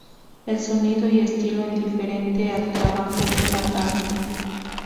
El sonido y estilo es diferente al trabajo de la banda.